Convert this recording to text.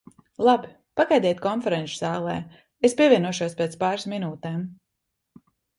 Labi, pagaidiet konferenču zālē, es pievienošos pēc pāris minūtēm.